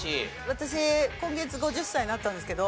私今月５０歳になったんですけど。